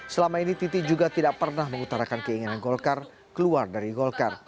selama ini titi juga tidak pernah mengutarakan keinginan golkar keluar dari golkar